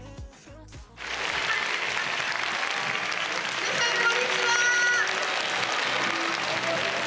皆さんこんにちは！